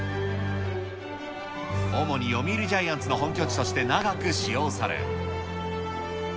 主に読売ジャイアンツの本拠地として長く使用され。